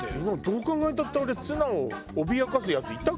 どう考えたってあれツナを脅かすやついたか？